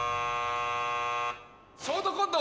ショートコント